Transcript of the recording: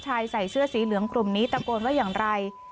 ใส่เสื้อสีเหลืองกลุ่มนี้ตะโกนว่าอย่างไร